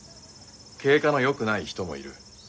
経過のよくない人もいる。